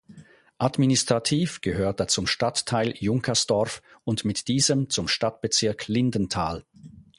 Administrativ gehört er zum Stadtteil Junkersdorf und mit diesem zum Stadtbezirk Lindenthal.